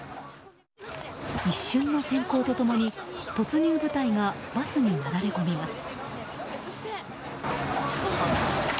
一瞬の閃光と共に突入部隊がバスになだれ込みます。